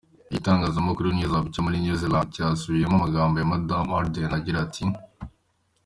Igitangazamakuru NewsHub cyo muri New Zealand cyasubiyemo amagambo ya Madamu Ardern agira ati:.